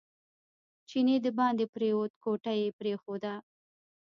چینی دباندې پرېوت کوټه یې پرېښوده.